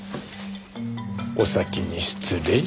お先に失礼。